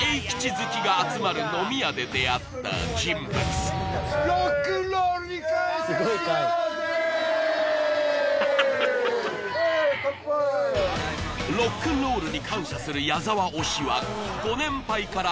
好きが集まる飲み屋で出会った人物・ウエーイ乾杯ロックンロールに感謝する矢沢推しはご年配から